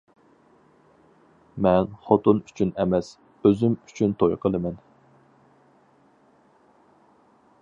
مەن خوتۇن ئۈچۈن ئەمەس، ئۆزۈم ئۈچۈن توي قىلىمەن.